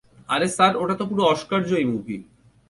আর sir, ওটাতো পুরো অস্কারজয়ী মুভি।